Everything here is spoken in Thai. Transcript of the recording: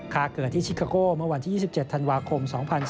เกิดที่ชิคาโก้เมื่อวันที่๒๗ธันวาคม๒๔